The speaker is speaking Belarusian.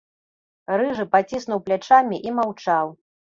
Рыжы паціснуў плячамі і маўчаў.